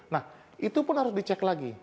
nah itu pun harus dicek lagi